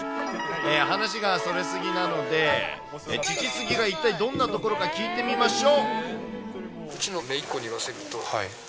話がそれ過ぎなので、チチスギが一体どんな所か聞いてみましょう。